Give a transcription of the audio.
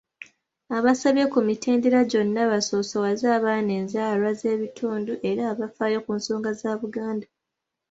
Abasabye ku mitendera gyonna basoosowaze abaana enzaalwa z'ebitundu era abafaayo ku nsonga za Buganda,